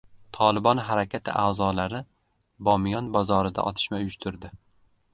«Tolibon» harakati a’zolari Bomiyon bozorida otishma uyushtirdi